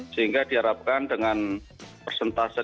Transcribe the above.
sehingga diharapkan dengan persentase